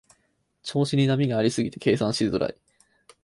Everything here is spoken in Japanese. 調子に波がありすぎて計算しづらい